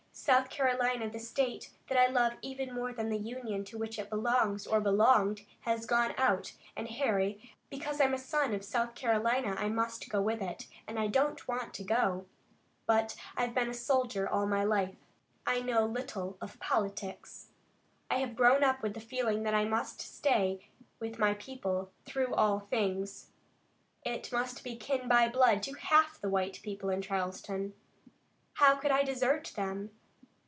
"South Carolina, the state that I love even more than the Union to which it belongs, or belonged, has gone out, and, Harry, because I'm a son of South Carolina I must go with it and I don't want to go. But I've been a soldier all my life. I know little of politics. I have grown up with the feeling that I must stay with my people through all things. I must be kin by blood to half the white people in Charleston. How could I desert them?"